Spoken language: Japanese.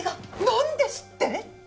何ですって！？